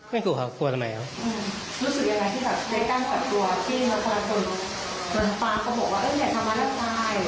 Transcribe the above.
ไม่กลัวครับกลัวทำไมครับ